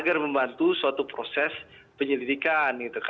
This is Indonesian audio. dan membantu suatu proses penyelidikan